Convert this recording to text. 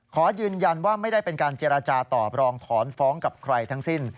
ขอยืนยันว่าไม่ได้เป็นการเจรจาตอบรองถอนฟ้องกับใครทั้งสิ้น